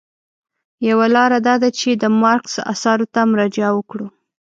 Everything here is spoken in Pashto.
یوه لاره دا ده چې د مارکس اثارو ته مراجعه وکړو.